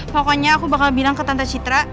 pokoknya aku bakal bilang ke tante citra